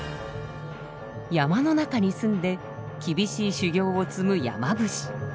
山の中に住んで厳しい修行を積む山伏。